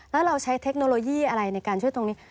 แล้วเราใช้เทคโนโลยีอะไรในการช่วยตรงนี้